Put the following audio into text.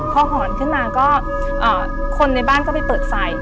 พอหอนขึ้นมาก็คนในบ้านก็ไปเปิดไฟ